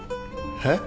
えっ？